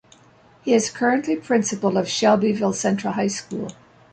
He is currently Principal of Shelbyville Central High School.